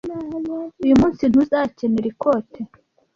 Uyu munsi, ntuzakenera ikote.